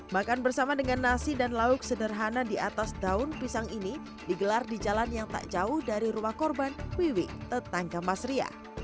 makan bersama dengan nasi dan lauk sederhana di atas daun pisang ini digelar di jalan yang tak jauh dari rumah korban wiwi tetangga mas ria